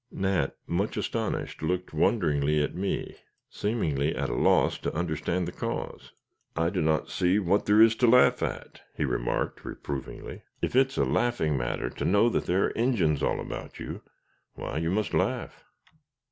Nat, much astonished, looked wonderingly at me, seemingly at a loss to understand the cause. "I do not see what there is to laugh at," he remarked, reprovingly. "If it's a laughing matter to know that there are Injins all about you, why you must laugh."